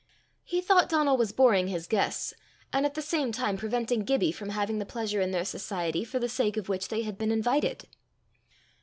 He thought Donal was boring his guests, and at the same time preventing Gibbie from having the pleasure in their society for the sake of which they had been invited.